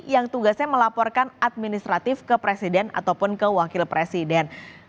yang tugasnya melaporkan administratif ke presiden ataupun ke wakil presiden